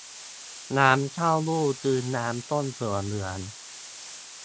น้ำเต้าหู้คือน้ำต้มถั่วเหลือง